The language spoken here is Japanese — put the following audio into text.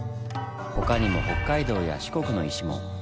他にも北海道や四国の石も。